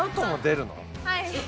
はい。